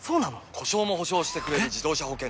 故障も補償してくれる自動車保険といえば？